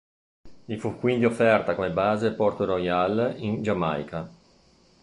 Gli fu quindi offerta come base Port Royal in Giamaica.